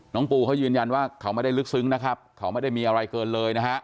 ปูเขายืนยันว่าเขาไม่ได้ลึกซึ้งนะครับเขาไม่ได้มีอะไรเกินเลยนะฮะ